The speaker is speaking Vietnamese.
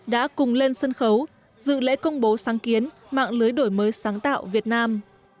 đã cùng lên sân khấu dự lễ công bố sáng kiến mạng lưới đổi mới sáng tạo việt nam